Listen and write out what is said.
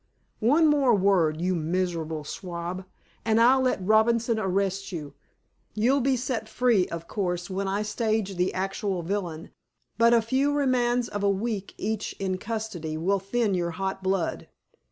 One more word, you miserable swab, and I'll let Robinson arrest you. You'll be set free, of course, when I stage the actual villain, but a few remands of a week each in custody will thin your hot blood.